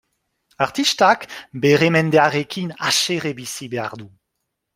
Artistak bere mendearekin haserre bizi behar du.